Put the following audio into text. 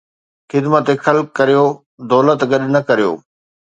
خدمت خلق ڪريو، دولت گڏ نه ڪريو